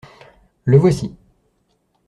Le voici.